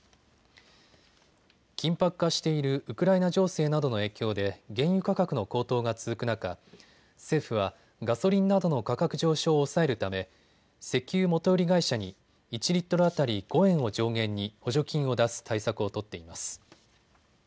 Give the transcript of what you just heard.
緊迫化しているウクライナ情勢などの影響で原油価格の高騰が続く中、政府はガソリンなどの価格上昇を抑えるため石油元売り会社に１リットル当たり５円を上限に補助金を出す対策を取っています。